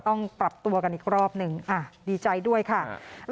ต้องปรับตัวกันอีกรอบหนึ่งดีใจด้วยค่ะ